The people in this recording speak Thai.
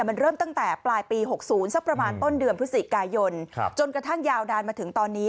มันเริ่มตั้งแต่ปลายปี๖๐สักประมาณต้นเดือนพฤศจิกายนจนกระทั่งยาวนานมาถึงตอนนี้